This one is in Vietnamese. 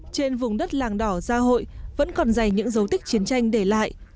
trên vùng đất làng đỏ gia hội vẫn còn dày những dấu tích chiến tranh để lại